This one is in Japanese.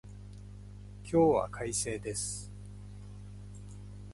今日は快晴です。